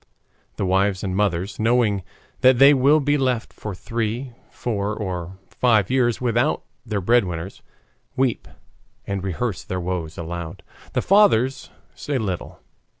The wives and mothers, knowing that they will be left for three, four, or five years without their breadwinners, weep and rehearse their woes aloud. The fathers say little.